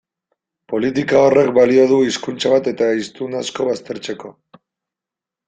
Politika horrek balio du hizkuntza bat eta hiztun asko baztertzeko.